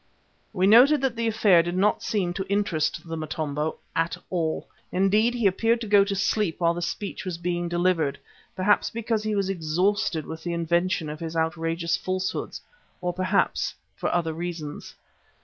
We noted that the affair did not seem to interest the Motombo at all. Indeed, he appeared to go to sleep while the speech was being delivered, perhaps because he was exhausted with the invention of his outrageous falsehoods, or perhaps for other reasons.